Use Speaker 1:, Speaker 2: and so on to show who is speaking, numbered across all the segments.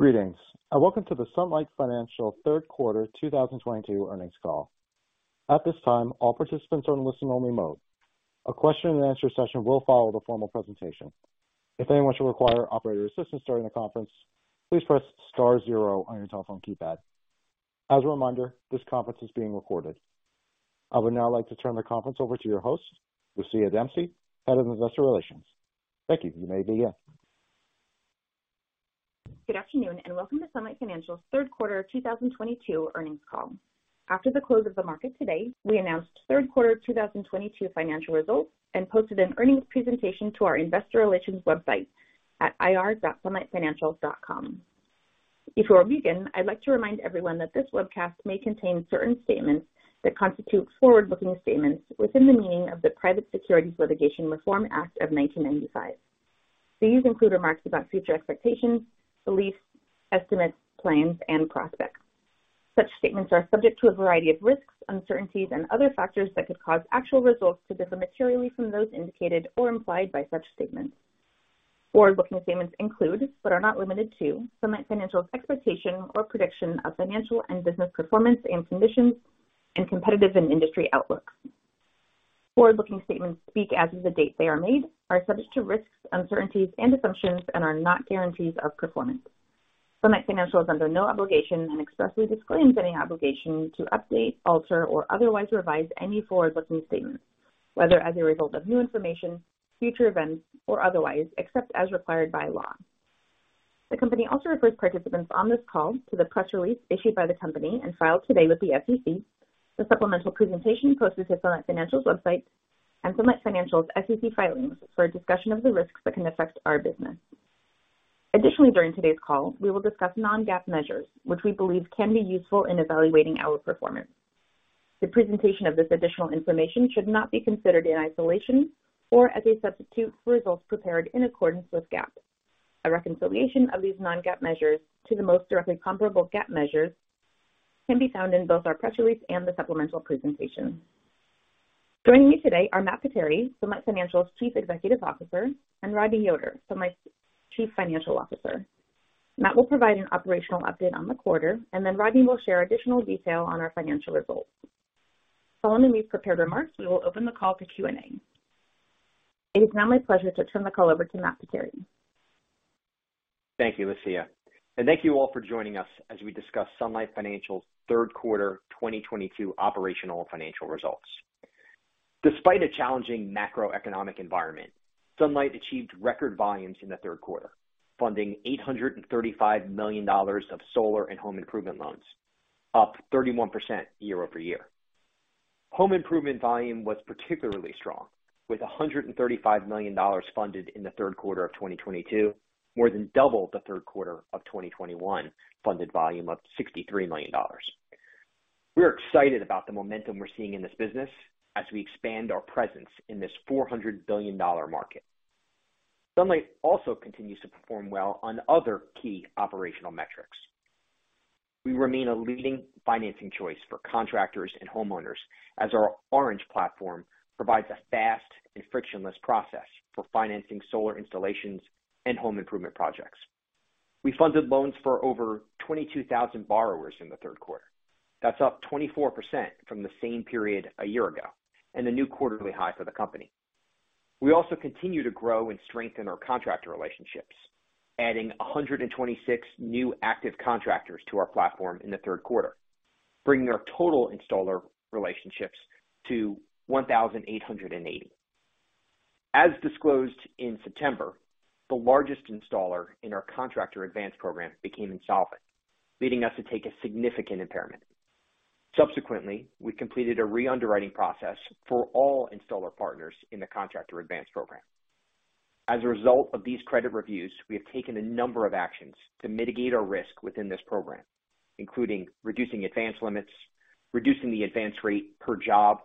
Speaker 1: Greetings and welcome to the Sunlight Financial third quarter 2022 earnings call. At this time, all participants are in listen-only mode. A question and answer session will follow the formal presentation. If anyone should require operator assistance during the conference, please press star zero on your telephone keypad. As a reminder, this conference is being recorded. I would now like to turn the conference over to your host, Lucia Dempsey, Head of Investor Relations. Thank you. You may begin.
Speaker 2: Good afternoon and welcome to Sunlight Financial's third quarter 2022 earnings call. After the close of the market today, we announced third quarter 2022 financial results and posted an earnings presentation to our investor relations website at ir.sunlightfinancial.com. Before we begin, I'd like to remind everyone that this webcast may contain certain statements that constitute forward-looking statements within the meaning of the Private Securities Litigation Reform Act of 1995. These include remarks about future expectations, beliefs, estimates, plans and prospects. Such statements are subject to a variety of risks, uncertainties and other factors that could cause actual results to differ materially from those indicated or implied by such statements. Forward-looking statements include, but are not limited to, Sunlight Financial's expectation or prediction of financial and business performance and conditions, and competitive and industry outlooks. Forward-looking statements speak as of the date they are made, are subject to risks, uncertainties and assumptions, and are not guarantees of performance. Sunlight Financial is under no obligation and expressly disclaims any obligation to update, alter or otherwise revise any forward-looking statements, whether as a result of new information, future events or otherwise, except as required by law. The company also refers participants on this call to the press release issued by the company and filed today with the SEC, the supplemental presentation posted to Sunlight Financial's website and Sunlight Financial's SEC filings for a discussion of the risks that can affect our business. Additionally, during today's call, we will discuss non-GAAP measures which we believe can be useful in evaluating our performance. The presentation of this additional information should not be considered in isolation or as a substitute for results prepared in accordance with GAAP. A reconciliation of these non-GAAP measures to the most directly comparable GAAP measures can be found in both our press release and the supplemental presentation. Joining me today are Matt Potere, Sunlight Financial's Chief Executive Officer, and Rodney Yoder, Sunlight's Chief Financial Officer. Matt will provide an operational update on the quarter, and then Rodney will share additional detail on our financial results. Following the prepared remarks, we will open the call to Q&A. It is now my pleasure to turn the call over to Matt Potere.
Speaker 3: Thank you, Lucia, and thank you all for joining us as we discuss Sunlight Financial's third quarter 2022 operational financial results. Despite a challenging macroeconomic environment, Sunlight achieved record volumes in the third quarter, funding $835 million of solar and home improvement loans, up 31% year-over-year. Home improvement volume was particularly strong, with $135 million funded in the third quarter of 2022, more than double the third quarter of 2021 funded volume of $63 million. We're excited about the momentum we're seeing in this business as we expand our presence in this $400 billion market. Sunlight also continues to perform well on other key operational metrics. We remain a leading financing choice for contractors and homeowners as our Orange platform provides a fast and frictionless process for financing solar installations and home improvement projects. We funded loans for over 22,000 borrowers in the third quarter. That's up 24% from the same period a year ago and a new quarterly high for the company. We also continue to grow and strengthen our contractor relationships, adding 126 new active contractors to our platform in the third quarter, bringing our total installer relationships to 1,880. As disclosed in September, the largest installer in our contractor advance program became insolvent, leading us to take a significant impairment. Subsequently, we completed a re-underwriting process for all installer partners in the contractor advance program. As a result of these credit reviews, we have taken a number of actions to mitigate our risk within this program, including reducing advance limits, reducing the advance rate per job,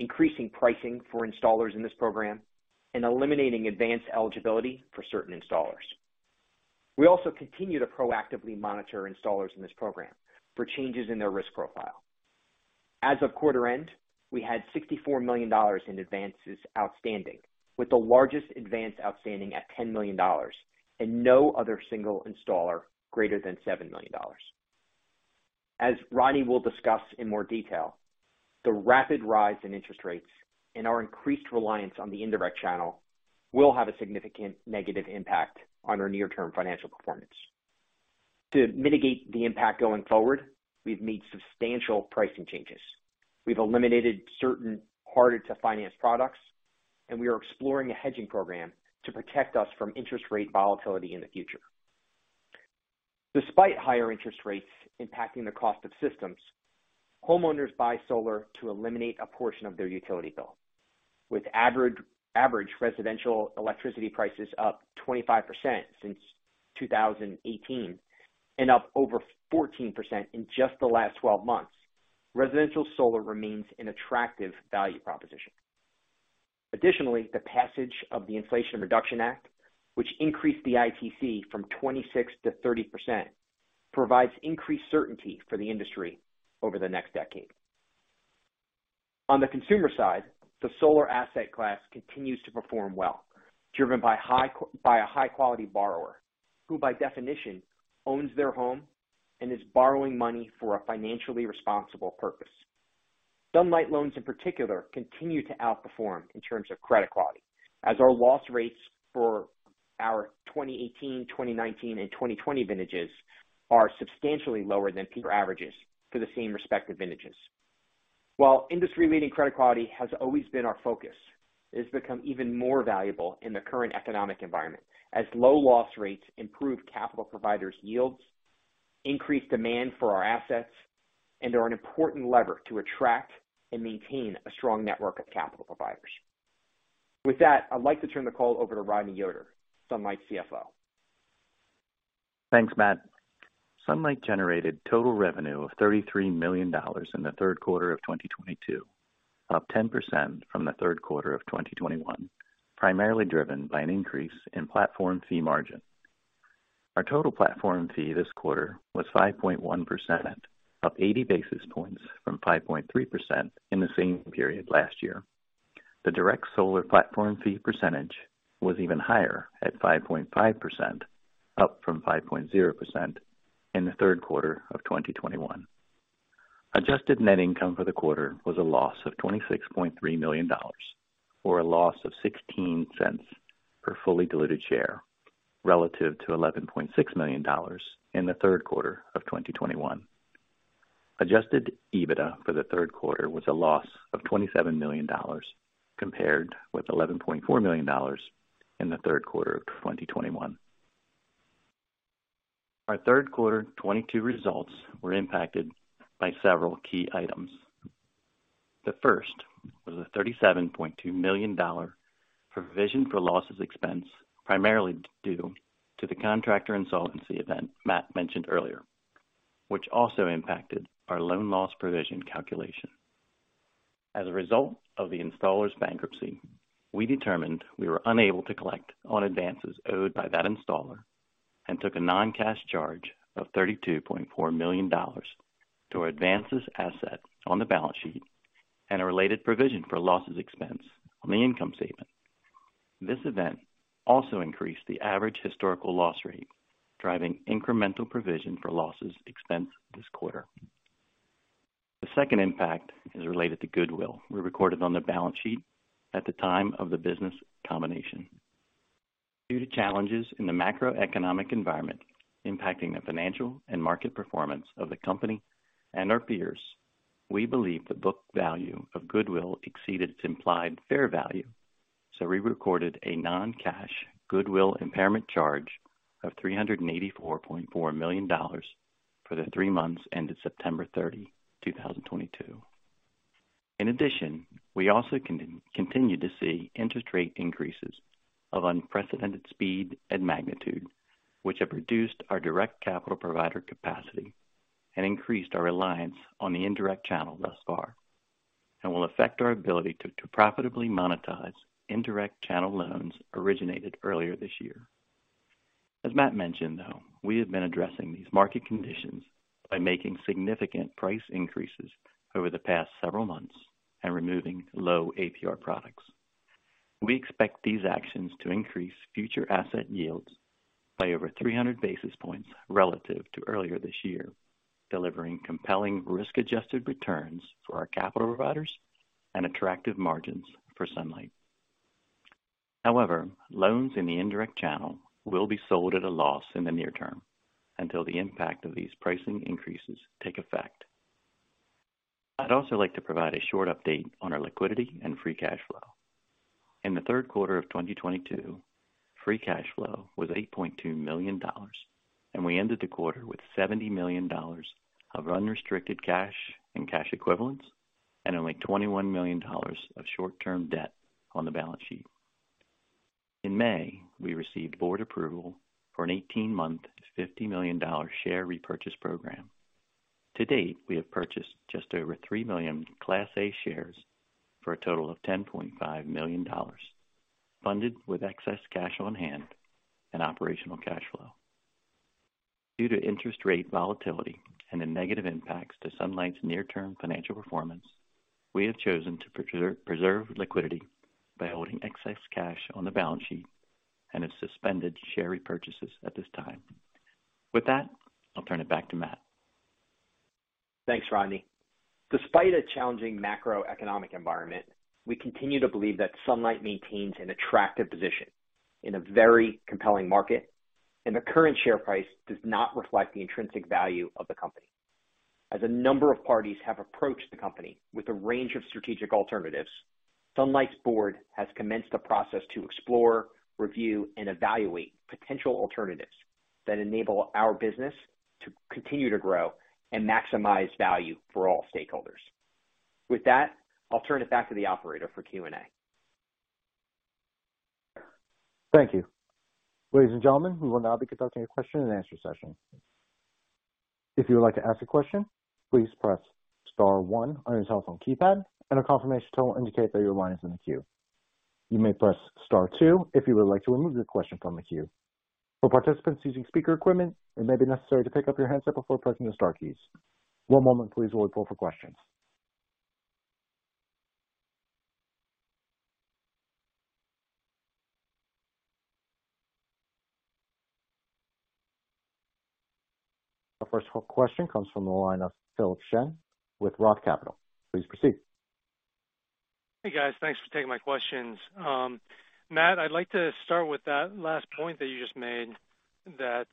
Speaker 3: increasing pricing for installers in this program, and eliminating advance eligibility for certain installers. We also continue to proactively monitor installers in this program for changes in their risk profile. As of quarter end, we had $64 million in advances outstanding, with the largest advance outstanding at $10 million and no other single installer greater than $7 million. As Rodney will discuss in more detail, the rapid rise in interest rates and our increased reliance on the indirect channel will have a significant negative impact on our near-term financial performance. To mitigate the impact going forward, we've made substantial pricing changes. We've eliminated certain harder to finance products, and we are exploring a hedging program to protect us from interest rate volatility in the future. Despite higher interest rates impacting the cost of systems, homeowners buy solar to eliminate a portion of their utility bill. With average residential electricity prices up 25% since 2018 and up over 14% in just the last 12 months, residential solar remains an attractive value proposition. Additionally, the passage of the Inflation Reduction Act, which increased the ITC from 26% to 30%, provides increased certainty for the industry over the next decade. On the consumer side, the solar asset class continues to perform well, driven by a high quality borrower who by definition owns their home and is borrowing money for a financially responsible purpose. Sunlight loans in particular continue to outperform in terms of credit quality as our loss rates for our 2018, 2019 and 2020 vintages are substantially lower than peer averages for the same respective vintages. While industry-leading credit quality has always been our focus, it has become even more valuable in the current economic environment as low loss rates improve capital providers' yields, increase demand for our assets, and are an important lever to attract and maintain a strong network of capital providers. With that, I'd like to turn the call over to Rodney Yoder, Sunlight CFO.
Speaker 4: Thanks, Matt. Sunlight generated total revenue of $33 million in the third quarter of 2022, up 10% from the third quarter of 2021, primarily driven by an increase in platform fee margin. Our total platform fee this quarter was 5.1%, up 80 basis points from 5.3% in the same period last year. The direct solar platform fee percentage was even higher at 5.5%, up from 5.0% in the third quarter of 2021. Adjusted net income for the quarter was a loss of $26.3 million, or a loss of $0.16 per fully diluted share, relative to $11.6 million in the third quarter of 2021. Adjusted EBITDA for the third quarter was a loss of $27 million, compared with $11.4 million in the third quarter of 2021. Our third quarter 2022 results were impacted by several key items. The first was a $37.2 million provision for losses expense, primarily due to the contractor insolvency event Matt mentioned earlier, which also impacted our loan loss provision calculation. As a result of the installer's bankruptcy, we determined we were unable to collect on advances owed by that installer and took a non-cash charge of $32.4 million to our advances asset on the balance sheet and a related provision for losses expense on the income statement. This event also increased the average historical loss rate, driving incremental provision for losses expense this quarter. The second impact is related to goodwill we recorded on the balance sheet at the time of the business combination. Due to challenges in the macroeconomic environment impacting the financial and market performance of the company and our peers, we believe the book value of goodwill exceeded its implied fair value, so we recorded a non-cash goodwill impairment charge of $384.4 million for the three months ended September 30, 2022. In addition, we also continue to see interest rate increases of unprecedented speed and magnitude, which have reduced our direct capital provider capacity and increased our reliance on the indirect channel thus far and will affect our ability to profitably monetize indirect channel loans originated earlier this year. As Matt mentioned, though, we have been addressing these market conditions by making significant price increases over the past several months and removing low APR products. We expect these actions to increase future asset yields by over 300 basis points relative to earlier this year, delivering compelling risk-adjusted returns for our capital providers and attractive margins for Sunlight. However, loans in the indirect channel will be sold at a loss in the near term until the impact of these pricing increases take effect. I'd also like to provide a short update on our liquidity and free cash flow. In the third quarter of 2022, free cash flow was $8.2 million, and we ended the quarter with $70 million of unrestricted cash and cash equivalents, and only $21 million of short-term debt on the balance sheet. In May, we received board approval for an 18-month, $50 million share repurchase program. To date, we have purchased just over 3 million Class A shares for a total of $10.5 million, funded with excess cash on hand and operational cash flow. Due to interest rate volatility and the negative impacts to Sunlight's near-term financial performance, we have chosen to preserve liquidity by holding excess cash on the balance sheet and have suspended share repurchases at this time. With that, I'll turn it back to Matt.
Speaker 3: Thanks, Rodney. Despite a challenging macroeconomic environment, we continue to believe that Sunlight maintains an attractive position in a very compelling market, and the current share price does not reflect the intrinsic value of the company. As a number of parties have approached the company with a range of strategic alternatives, Sunlight's board has commenced a process to explore, review, and evaluate potential alternatives that enable our business to continue to grow and maximize value for all stakeholders. With that, I'll turn it back to the operator for Q&A.
Speaker 1: Thank you. Ladies and gentlemen, we will now be conducting a question and answer session. If you would like to ask a question, please press star one on your telephone keypad and a confirmation tone will indicate that your line is in the queue. You may press star two if you would like to remove your question from the queue. For participants using speaker equipment, it may be necessary to pick up your handset before pressing the star keys. One moment please, while we pull for questions. Our first question comes from the line of Philip Shen with Roth Capital Partners. Please proceed.
Speaker 5: Hey guys. Thanks for taking my questions. Matt, I'd like to start with that last point that you just made that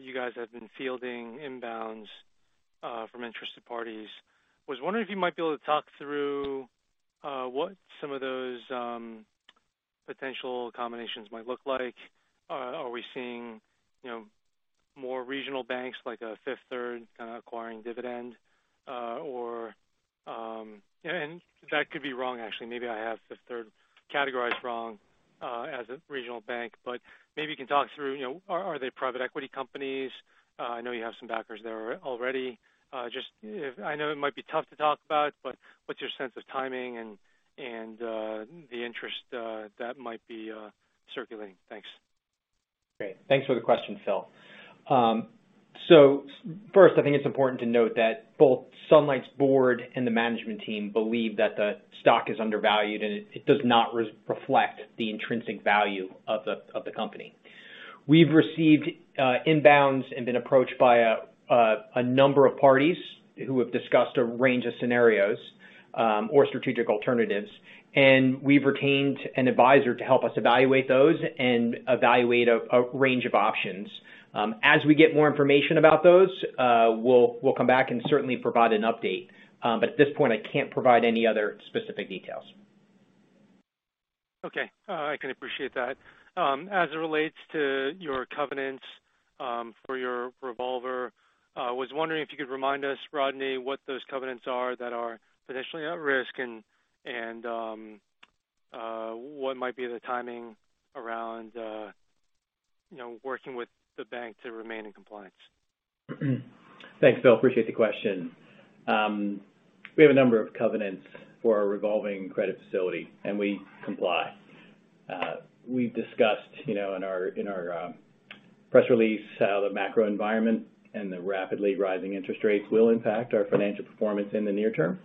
Speaker 5: you guys have been fielding inbounds from interested parties. Was wondering if you might be able to talk through what some of those potential combinations might look like. Are we seeing, you know, more regional banks like a Fifth Third Bancorp kinda acquiring Dividend Finance? Or, and that could be wrong, actually. Maybe I have Third Bancorp categorized wrong as a regional bank, but maybe you can talk through, you know, are they private equity companies? I know you have some backers there already. I know it might be tough to talk about, but what's your sense of timing and the interest that might be circulating? Thanks.
Speaker 3: Great. Thanks for the question, Philip. So first I think it's important to note that both Sunlight's board and the management team believe that the stock is undervalued and it does not reflect the intrinsic value of the company. We've received inbounds and been approached by a number of parties who have discussed a range of scenarios or strategic alternatives, and we've retained an advisor to help us evaluate those and evaluate a range of options. As we get more information about those, we'll come back and certainly provide an update. But at this point, I can't provide any other specific details.
Speaker 5: Okay. I can appreciate that. As it relates to your covenants for your revolver, was wondering if you could remind us, Rodney, what those covenants are that are potentially at risk and what might be the timing around, you know, working with the bank to remain in compliance.
Speaker 4: Thanks, Phil. Appreciate the question. We have a number of covenants for our revolving credit facility, and we comply. We've discussed, you know, in our press release how the macro environment and the rapidly rising interest rates will impact our financial performance in the near term.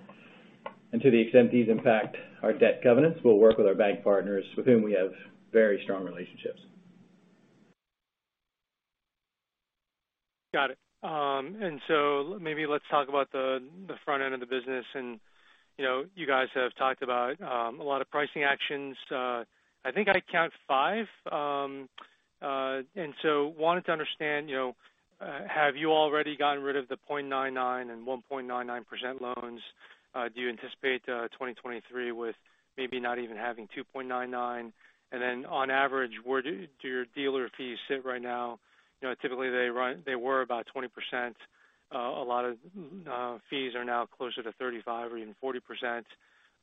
Speaker 4: To the extent these impact our debt covenants, we'll work with our bank partners with whom we have very strong relationships.
Speaker 5: Got it. Maybe let's talk about the front end of the business. You know, you guys have talked about a lot of pricing actions. I think I count five. Wanted to understand, you know, have you already gotten rid of the 0.99% and 1.99% loans? Do you anticipate 2023 with maybe not even having 2.99%? And then on average, where do your dealer fees sit right now? You know, typically they run. They were about 20%. A lot of fees are now closer to 35% or even 40%.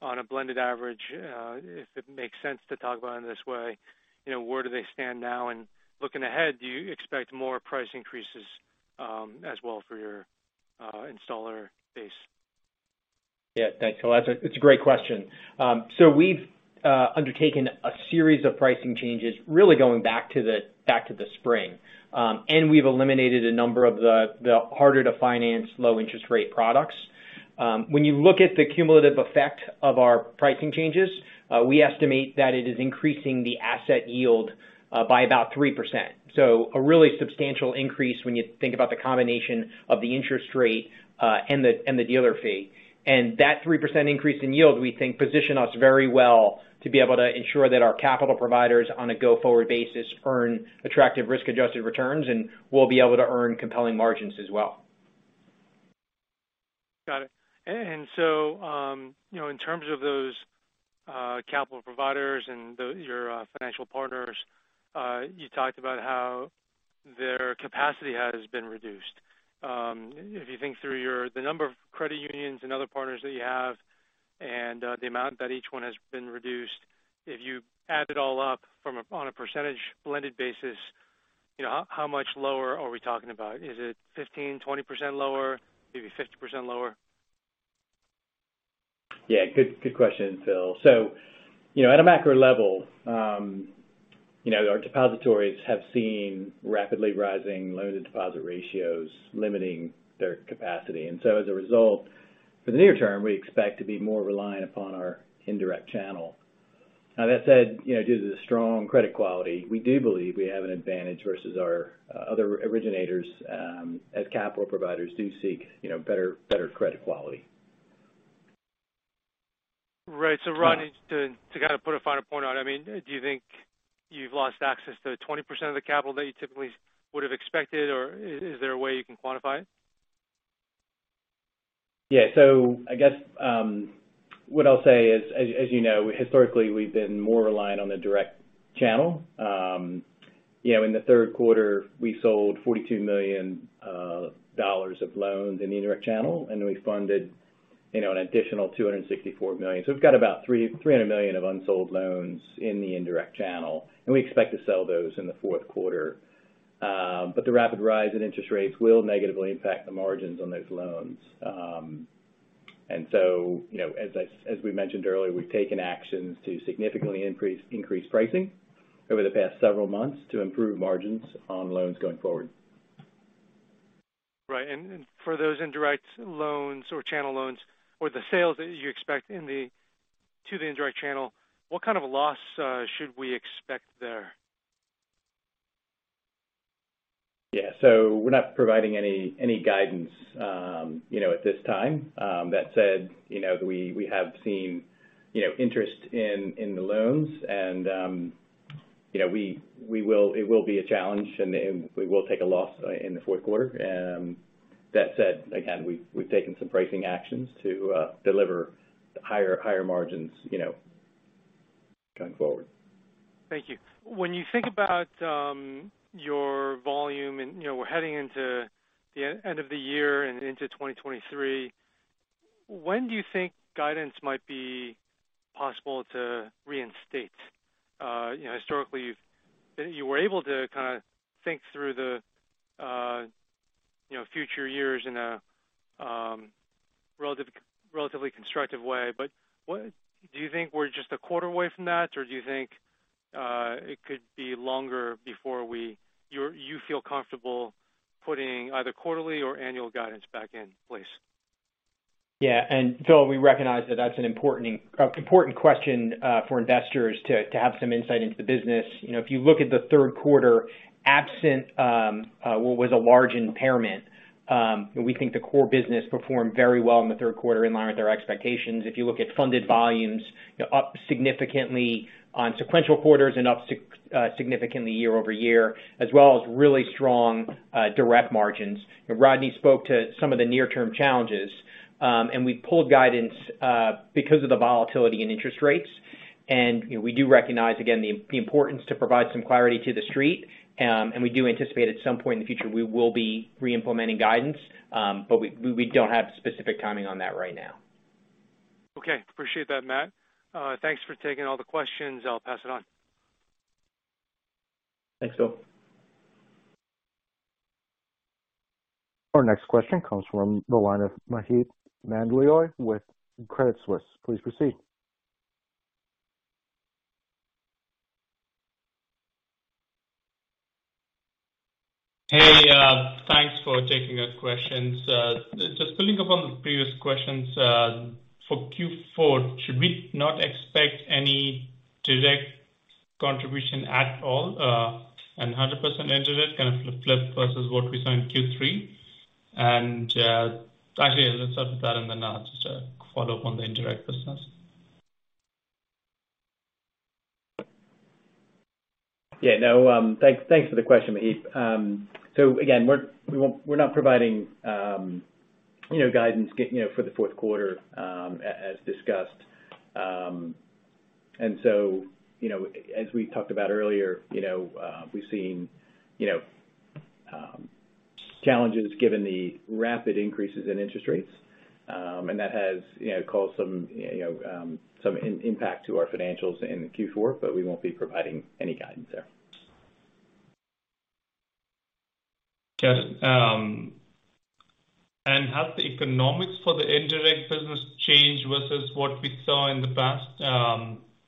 Speaker 5: On a blended average, if it makes sense to talk about it in this way, you know, where do they stand now? Looking ahead, do you expect more price increases, as well for your installer base?
Speaker 4: Yeah. Thanks, Phil. That's a great question. We've undertaken a series of pricing changes really going back to the spring. We've eliminated a number of the harder to finance low interest rate products. When you look at the cumulative effect of our pricing changes, we estimate that it is increasing the asset yield by about 3%. A really substantial increase when you think about the combination of the interest rate and the dealer fee. That 3% increase in yield, we think position us very well to be able to ensure that our capital providers on a go-forward basis earn attractive risk-adjusted returns, and we'll be able to earn compelling margins as well.
Speaker 5: Got it. You know, in terms of those capital providers and your financial partners, you talked about how their capacity has been reduced. If you think through the number of credit unions and other partners that you have and the amount that each one has been reduced, if you add it all up on a percentage blended basis, you know, how much lower are we talking about? Is it 15%, 20% lower, maybe 50% lower?
Speaker 4: Yeah. Good question, Philip. You know, at a macro level, our depositories have seen rapidly rising loan-to-deposit ratios limiting their capacity. As a result, for the near term, we expect to be more reliant upon our indirect channel. Now, that said, you know, due to the strong credit quality, we do believe we have an advantage versus our other originators as capital providers do seek, you know, better credit quality.
Speaker 5: Right. Rodney, to kind of put a finer point on it, I mean, do you think you've lost access to 20% of the capital that you typically would've expected, or is there a way you can quantify it?
Speaker 4: Yeah. I guess what I'll say is as you know, historically, we've been more reliant on the direct channel. You know, in the third quarter, we sold $42 million of loans in the indirect channel, and we funded you know, an additional $264 million. We've got about $300 million of unsold loans in the indirect channel, and we expect to sell those in the fourth quarter. The rapid rise in interest rates will negatively impact the margins on those loans. You know, as we mentioned earlier, we've taken actions to significantly increase pricing over the past several months to improve margins on loans going forward.
Speaker 5: Right. For those indirect loans or channel loans or the sales that you expect to the indirect channel, what kind of a loss should we expect there?
Speaker 4: Yeah. We're not providing any guidance at this time. That said, you know, we have seen, you know, interest in the loans and you know it will be a challenge and we will take a loss in the fourth quarter. That said, again, we've taken some pricing actions to deliver higher margins you know going forward.
Speaker 5: Thank you. When you think about your volume and, you know, we're heading into the end of the year and into 2023, when do you think guidance might be possible to reinstate? You know, historically you were able to kinda think through the, you know, future years in a relatively constructive way. Do you think we're just a quarter away from that, or do you think it could be longer before you feel comfortable putting either quarterly or annual guidance back in place?
Speaker 3: Yeah. Phil, we recognize that that's an important question for investors to have some insight into the business. You know, if you look at the third quarter, absent what was a large impairment, we think the core business performed very well in the third quarter in line with our expectations. If you look at funded volumes, up significantly on sequential quarters and up significantly year over year, as well as really strong direct margins. Rodney spoke to some of the near-term challenges, and we pulled guidance because of the volatility in interest rates. You know, we do recognize again the importance to provide some clarity to The Street. We do anticipate at some point in the future we will be re-implementing guidance, but we don't have specific timing on that right now.
Speaker 5: Okay. Appreciate that, Matt. Thanks for taking all the questions. I'll pass it on.
Speaker 3: Thanks, Phil.
Speaker 1: Our next question comes from the line of Maheep Mandloi with Credit Suisse. Please proceed.
Speaker 6: Hey, thanks for taking our questions. Just building upon the previous questions, for Q4, should we not expect any direct contribution at all, and 100% interest kind of flip versus what we saw in Q3? Actually, let's start with that and then I'll just follow up on the indirect business.
Speaker 3: Yeah, no, thanks for the question, Maheep. So again, we're not providing guidance for the fourth quarter, as discussed. As we talked about earlier, you know, we've seen challenges given the rapid increases in interest rates. That has caused some impact to our financials in Q4, but we won't be providing any guidance there.
Speaker 6: Got it. Have the economics for the indirect business changed versus what we saw in the past?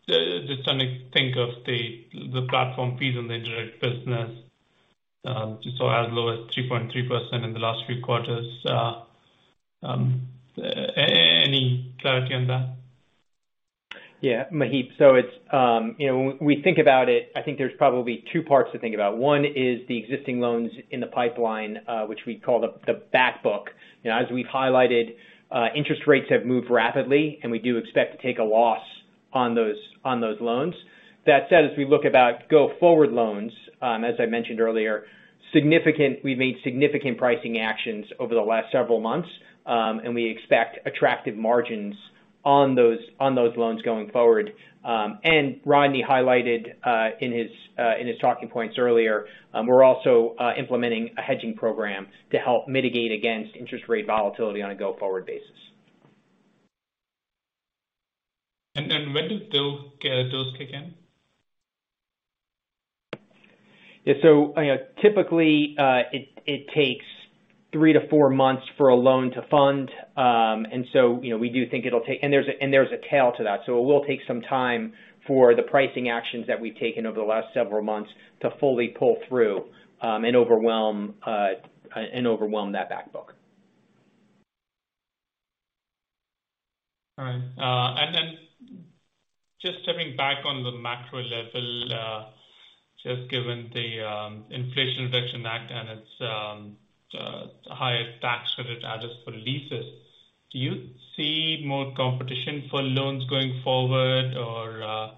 Speaker 6: Just trying to think of the platform fees on the indirect business, we saw as low as 3.3% in the last few quarters. Any clarity on that?
Speaker 3: Yeah. Maheep, it's, you know, when we think about it, I think there's probably two parts to think about. One is the existing loans in the pipeline, which we call the back book. You know, as we've highlighted, interest rates have moved rapidly, and we do expect to take a loss on those loans. That said, as we look about go-forward loans, as I mentioned earlier, we've made significant pricing actions over the last several months, and we expect attractive margins on those loans going forward. Rodney highlighted in his talking points earlier, we're also implementing a hedging program to help mitigate against interest rate volatility on a go-forward basis.
Speaker 6: When do those kick in?
Speaker 3: Yeah. You know, typically, it takes three-four months for a loan to fund. You know, we do think it'll take some time. There's a tail to that. It will take some time for the pricing actions that we've taken over the last several months to fully pull through and overwhelm that back book.
Speaker 6: All right. Just stepping back on the macro level, just given the Inflation Reduction Act and its higher tax credit adjustments for leases, do you see more competition for loans going forward or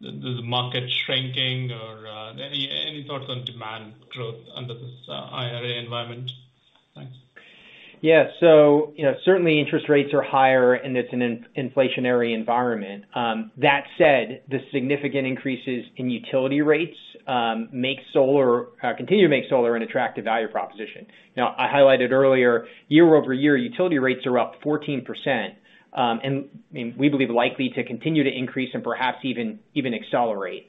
Speaker 6: the market shrinking or any thoughts on demand growth under this IRA environment?
Speaker 3: You know, certainly interest rates are higher, and it's an inflationary environment. That said, the significant increases in utility rates continue to make solar an attractive value proposition. Now, I highlighted earlier, year-over-year, utility rates are up 14%, and we believe likely to continue to increase and perhaps even accelerate.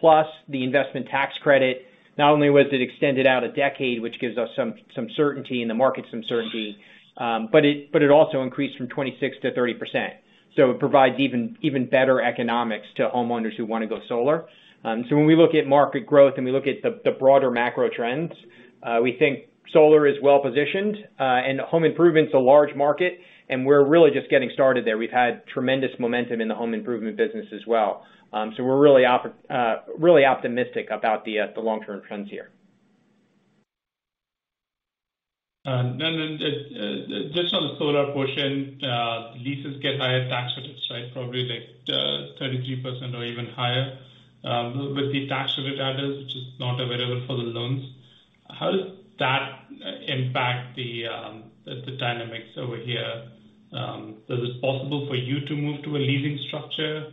Speaker 3: Plus the investment tax credit, not only was it extended out a decade, which gives us some certainty in the market, but it also increased from 26%-30%. It provides even better economics to homeowners who wanna go solar. When we look at market growth and we look at the broader macro trends, we think solar is well-positioned, and home improvement is a large market, and we're really just getting started there. We've had tremendous momentum in the home improvement business as well. We're really optimistic about the long-term trends here.
Speaker 6: Just on the solar portion, leases get higher tax credits, right? Probably like 33% or even higher with the tax credit adders, which is not available for the loans. How does that impact the dynamics over here? Is it possible for you to move to a leasing structure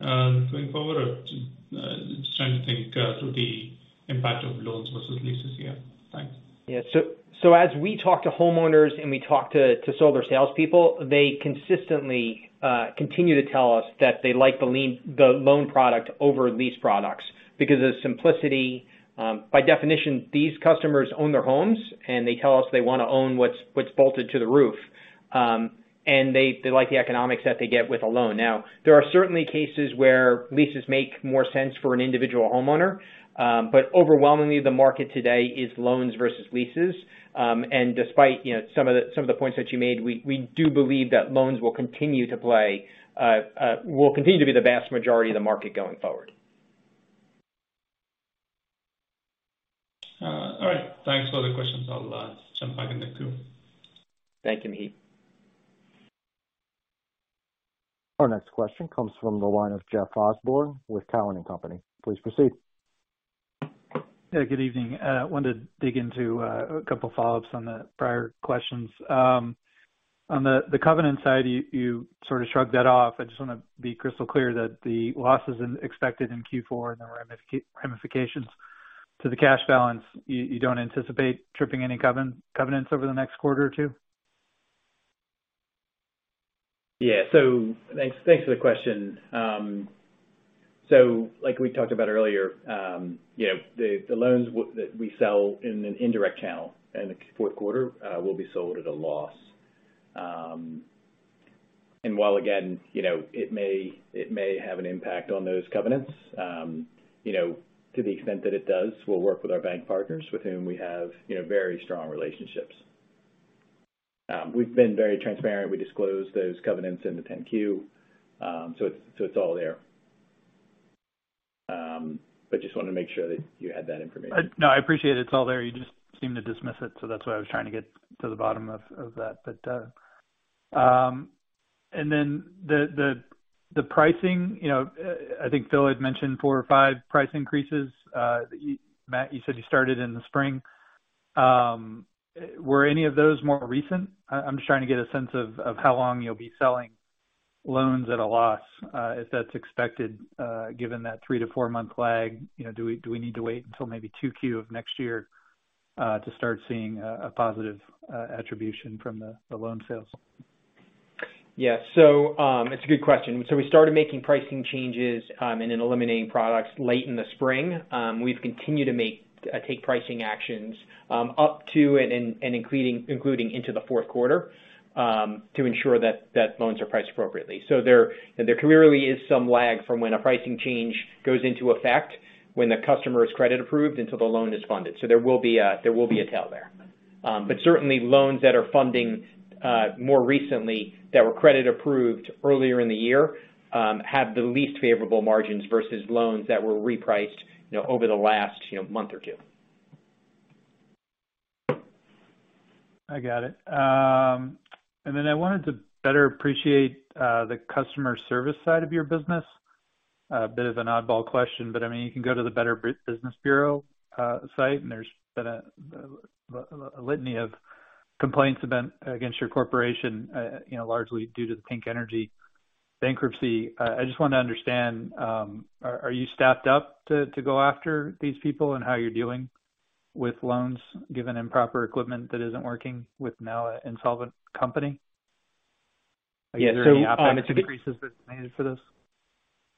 Speaker 6: going forward? Just trying to think through the impact of loans versus leases here. Thanks.
Speaker 3: As we talk to homeowners and we talk to solar salespeople, they consistently continue to tell us that they like the loan product over lease products because of the simplicity. By definition, these customers own their homes, and they tell us they wanna own what's bolted to the roof. They like the economics that they get with a loan. Now, there are certainly cases where leases make more sense for an individual homeowner. Overwhelmingly, the market today is loans versus leases. Despite you know, some of the points that you made, we do believe that loans will continue to be the vast majority of the market going forward.
Speaker 6: All right. Thanks for the questions. I'll jump back in the queue.
Speaker 3: Thank you, Maheep.
Speaker 1: Our next question comes from the line of Jeff Osborne with Cowen and Company. Please proceed.
Speaker 7: Yeah, good evening. Wanted to dig into a couple of follow-ups on the prior questions. On the covenant side, you sort of shrugged that off. I just wanna be crystal clear that the losses expected in Q4 and the ramifications to the cash balance, you don't anticipate tripping any covenants over the next quarter or two?
Speaker 3: Yeah. Thanks for the question. Like we talked about earlier, you know, the loans that we sell in an indirect channel in the fourth quarter will be sold at a loss. While again, you know, it may have an impact on those covenants, you know, to the extent that it does, we'll work with our bank partners with whom we have, you know, very strong relationships. We've been very transparent. We disclosed those covenants in the 10-Q, so it's all there. Just wanted to make sure that you had that information.
Speaker 7: No, I appreciate it's all there. You just seem to dismiss it, so that's why I was trying to get to the bottom of that. The pricing, you know, I think Philip had mentioned four or five price increases. Matt, you said you started in the spring. Were any of those more recent? I'm just trying to get a sense of how long you'll be selling loans at a loss, if that's expected, given that three- to four-month lag. You know, do we need to wait until maybe 2Q of next year to start seeing a positive attribution from the loan sales?
Speaker 3: Yeah. It's a good question. We started making pricing changes, and then eliminating products late in the spring. We've continued to take pricing actions, up to and including into the fourth quarter, to ensure that loans are priced appropriately. There clearly is some lag from when a pricing change goes into effect when the customer is credit approved until the loan is funded. There will be a tail there. Certainly loans that are funding more recently that were credit approved earlier in the year have the least favorable margins versus loans that were repriced, you know, over the last, you know, month or two.
Speaker 7: I got it. And then I wanted to better appreciate the customer service side of your business. A bit of an oddball question, but I mean, you can go to the Better Business Bureau site, and there's been a litany of complaints about against your corporation, you know, largely due to the Pink Energy bankruptcy. I just wanted to understand, are you staffed up to go after these people and how you're dealing with loans given improper equipment that isn't working with now an insolvent company? Are there any appetite decreases that's planned for this?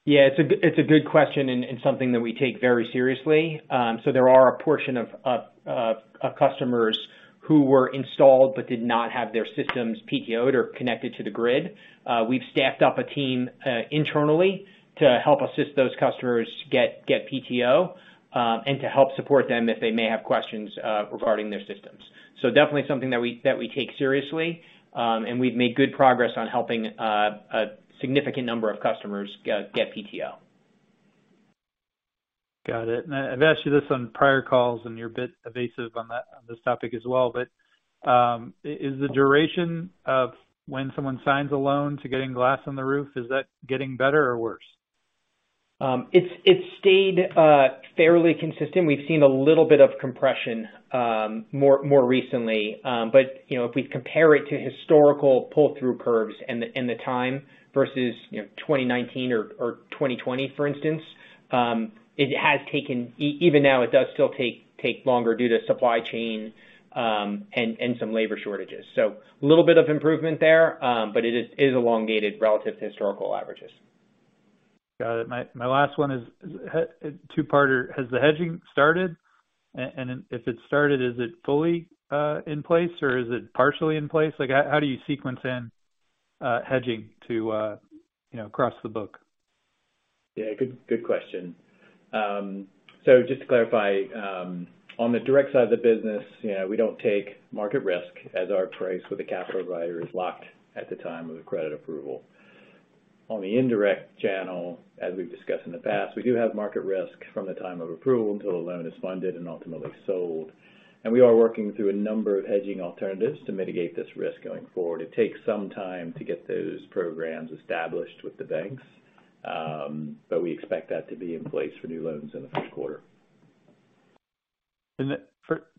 Speaker 3: Yeah. It's a good question and something that we take very seriously. There are a portion of customers who were installed but did not have their systems PTOed or connected to the grid. We've staffed up a team internally to help assist those customers get PTO and to help support them if they may have questions regarding their systems. Definitely something that we take seriously and we've made good progress on helping a significant number of customers get PTO.
Speaker 7: Got it. I've asked you this on prior calls, and you're a bit evasive on that, on this topic as well, but, is the duration of when someone signs a loan to getting glass on the roof, is that getting better or worse?
Speaker 3: It's stayed fairly consistent. We've seen a little bit of compression more recently. You know, if we compare it to historical pull-through curves and the time versus 2019 or 2020 for instance, it has taken. Even now, it does still take longer due to supply chain and some labor shortages. A little bit of improvement there, but it is elongated relative to historical averages.
Speaker 7: Got it. My last one is a two-parter. Has the hedging started? If it's started, is it fully in place, or is it partially in place? Like how do you sequence in hedging to you know across the book?
Speaker 4: Yeah. Good question. Just to clarify, on the direct side of the business, you know, we don't take market risk, as our price with the capital provider is locked at the time of the credit approval. On the indirect channel, as we've discussed in the past, we do have market risk from the time of approval until the loan is funded and ultimately sold. We are working through a number of hedging alternatives to mitigate this risk going forward. It takes some time to get those programs established with the banks, but we expect that to be in place for new loans in the first quarter.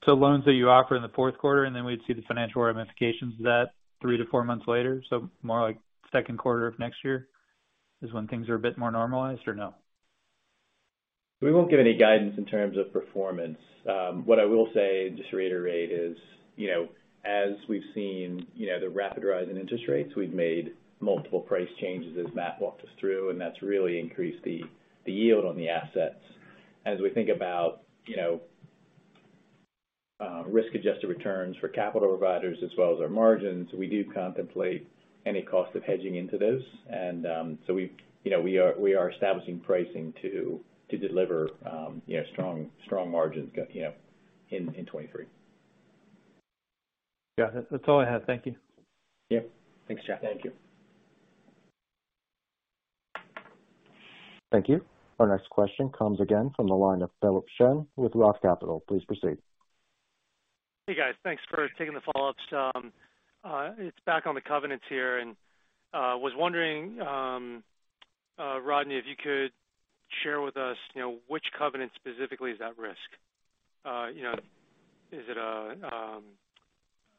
Speaker 7: Loans that you offer in the fourth quarter, and then we'd see the financial ramifications of that three-four months later? More like second quarter of next year is when things are a bit more normalized or no?
Speaker 4: We won't give any guidance in terms of performance. What I will say, just to reiterate, is, you know, as we've seen, you know, the rapid rise in interest rates, we've made multiple price changes, as Matt walked us through, and that's really increased the yield on the assets. As we think about, you know, risk-adjusted returns for capital providers as well as our margins, we do contemplate any cost of hedging into those. So you know, we are establishing pricing to deliver, you know, strong margins in 2023.
Speaker 7: Yeah. That's all I had. Thank you.
Speaker 4: Yeah. Thanks, Jeff.
Speaker 3: Thank you.
Speaker 1: Thank you. Our next question comes again from the line of Philip Shen with Roth Capital. Please proceed.
Speaker 5: Hey, guys. Thanks for taking the follow-ups. It's back on the covenants here. Was wondering, Rodney, if you could share with us, you know, which covenant specifically is at risk. You know, is it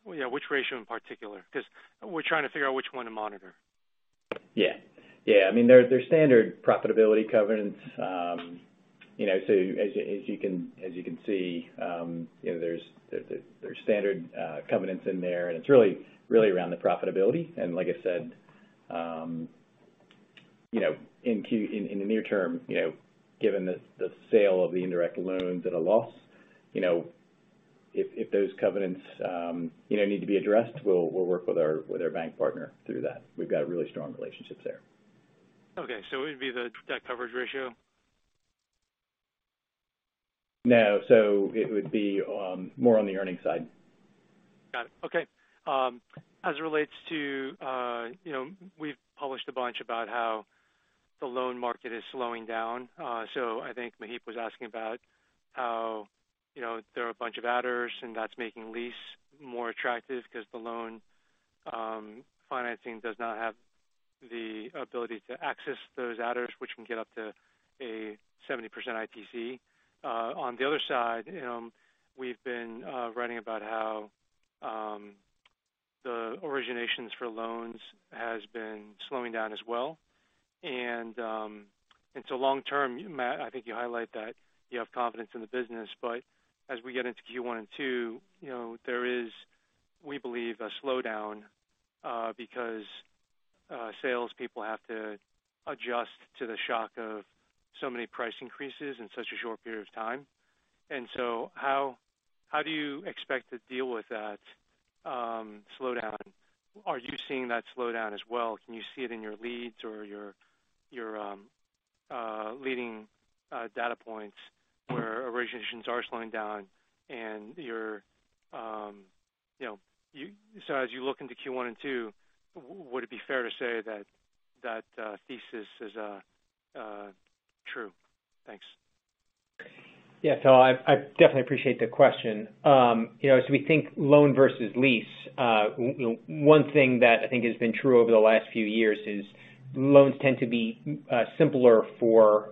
Speaker 5: you know, which ratio in particular? 'Cause we're trying to figure out which one to monitor.
Speaker 4: Yeah. Yeah. I mean, there are standard profitability covenants. You know, as you can see, you know, there's standard covenants in there, and it's really around the profitability. Like I said, you know, in the near term, you know, given the sale of the indirect loans at a loss, you know, if those covenants, you know, need to be addressed, we'll work with our bank partner through that. We've got a really strong relationship there.
Speaker 5: Okay. It would be the debt coverage ratio?
Speaker 4: No. It would be more on the earnings side.
Speaker 5: Got it. Okay. As it relates to, you know, we've published a bunch about how the loan market is slowing down. I think Maheep was asking about how, you know, there are a bunch of adders and that's making lease more attractive 'cause the loan financing does not have the ability to access those adders, which can get up to a 70% ITC. On the other side, we've been writing about how the originations for loans has been slowing down as well. Long term, Matt, I think you highlight that you have confidence in the business. As we get into Q1 and Q2, you know, there is, we believe, a slowdown, because salespeople have to adjust to the shock of so many price increases in such a short period of time. How do you expect to deal with that slowdown? Are you seeing that slowdown as well? Can you see it in your leads or your leading data points where originations are slowing down and you know so as you look into Q1 and Q2, would it be fair to say that thesis is true? Thanks.
Speaker 3: Yeah. I definitely appreciate the question. You know, as we think loan versus lease, you know, one thing that I think has been true over the last few years is loans tend to be simpler for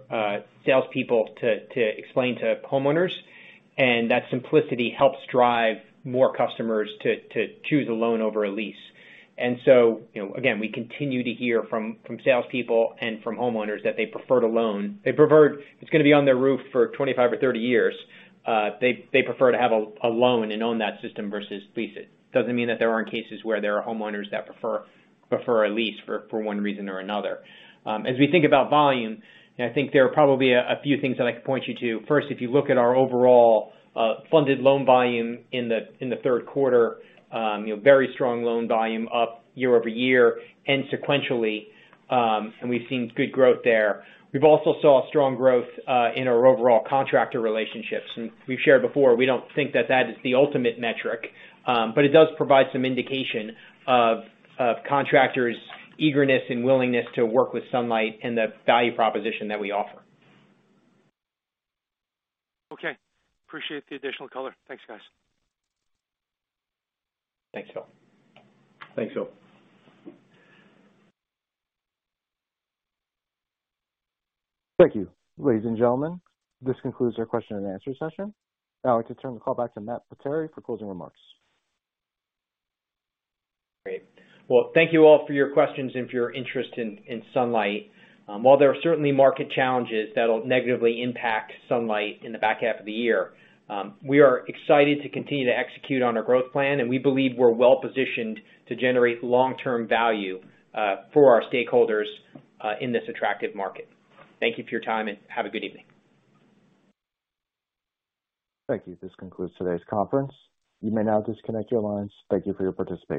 Speaker 3: salespeople to explain to homeowners, and that simplicity helps drive more customers to choose a loan over a lease. You know, again, we continue to hear from salespeople and from homeowners that they prefer a loan. They prefer. It's gonna be on their roof for 25 or 30 years. They prefer to have a loan and own that system versus lease it. Doesn't mean that there aren't cases where there are homeowners that prefer a lease for one reason or another. As we think about volume, you know, I think there are probably a few things that I could point you to. First, if you look at our overall funded loan volume in the third quarter, you know, very strong loan volume up year over year and sequentially. We've seen good growth there. We've also saw strong growth in our overall contractor relationships. We've shared before, we don't think that is the ultimate metric, but it does provide some indication of contractors' eagerness and willingness to work with Sunlight and the value proposition that we offer.
Speaker 5: Okay. Appreciate the additional color. Thanks, guys.
Speaker 3: Thanks, Philip.
Speaker 4: Thanks, Phil.
Speaker 1: Thank you. Ladies and gentlemen, this concludes our question and answer session. Now I'd like to turn the call back to Matt Potere for closing remarks.
Speaker 3: Great. Well, thank you all for your questions and for your interest in Sunlight. While there are certainly market challenges that'll negatively impact Sunlight in the back half of the year, we are excited to continue to execute on our growth plan, and we believe we're well-positioned to generate long-term value for our stakeholders in this attractive market. Thank you for your time, and have a good evening.
Speaker 1: Thank you. This concludes today's conference. You may now disconnect your lines. Thank you for your participation.